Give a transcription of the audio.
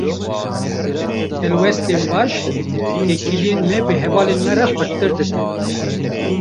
Helwestên baş, têkiliyên me bi hevalên me re xurttir dikin.